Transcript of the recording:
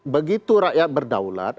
begitu rakyat berdaulat